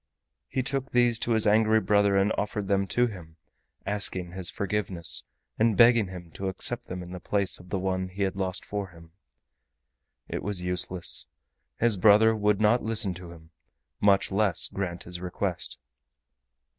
He took these to his angry brother and offered them to him, asking his forgiveness, and begging him to accept them in the place of the one he had lost for him. It was useless; his brother would not listen to him, much less grant his request.